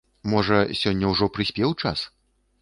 Можа, сёння ўжо прыспеў час?